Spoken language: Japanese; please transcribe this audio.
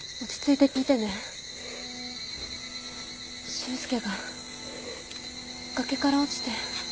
俊介が崖から落ちて